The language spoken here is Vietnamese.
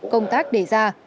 công tác đề ra